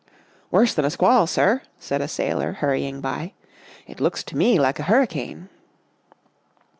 " Worse than a squall, sir," said a sailor, hurrying by. " It looks to me like a hurricane."